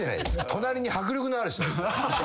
隣に迫力のある人がいるから。